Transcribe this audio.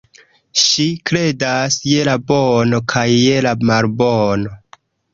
Ŝi kredas je la bono kaj je la malbono.